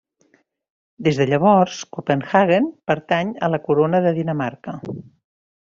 Des de llavors, Copenhaguen pertany a la Corona de Dinamarca.